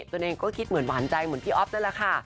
ตัวเองก็คิดเหมือนหวานใจเหมือนพี่อ๊อฟนั่นแหละค่ะ